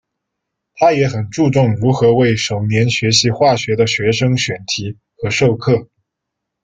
他也很注重如何为首年学习化学的学生选题和授课。